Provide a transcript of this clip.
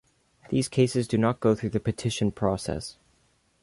These cases do not go through the petition process.